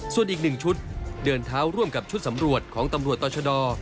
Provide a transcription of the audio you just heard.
ส่วนอีก๑ชุดเดินเท้าร่วมกับชุดสำรวจของตำรวจต่อชะดอ